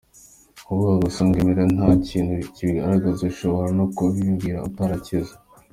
Kuvuga gusa ngo emera nta kintu kibigaragaza ushobora no kubimbwira utarakize..